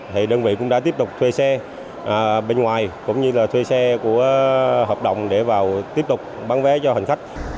thì đơn vị cũng đã tiếp tục thuê xe bên ngoài cũng như là thuê xe của hợp đồng để vào tiếp tục bán vé cho hành khách